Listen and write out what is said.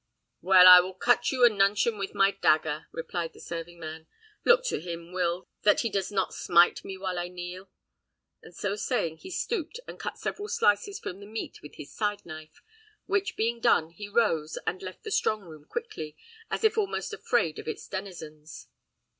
"Well, I will cut you a nuncheon with my dagger," replied the serving man. "Look to him, Will, that he do not smite me while I kneel." And so saying, he stooped and cut several slices from the meat with his side knife, which being done, he rose, and left the strong room quickly, as if almost afraid of its denizens.